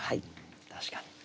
確かに。